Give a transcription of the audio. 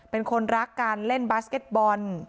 เป็นคนรักการเล่นบาสเก็ตบอล